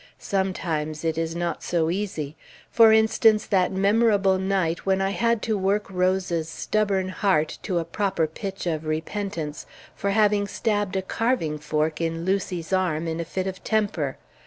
Sometimes it is not so easy. For instance, that memorable night when I had to work Rose's stubborn heart to a proper pitch of repentance for having stabbed a carving fork in Lucy's arm in a fit of temper.